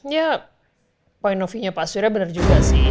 ya poin opini pak suri benar juga sih